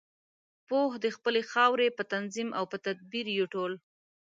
پوه د خپلې خاورې په تنظیم او په تدبیر یو ټول.